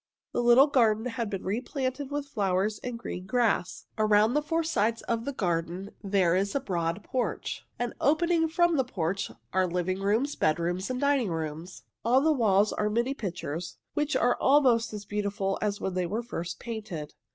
The little garden has been replanted with flowers and green grass. Around the four sides of the garden there is a broad porch, and opening from the porch are living rooms, bedrooms, and dining rooms. On the walls are many pictures, which are almost as beautiful as when they were first painted.